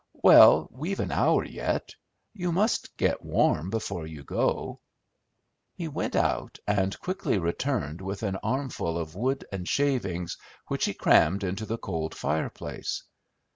"Well, we've an hour yet. You must get warm before you go." He went out, and quickly returned with an armful of wood and shavings, which he crammed into the cold fireplace.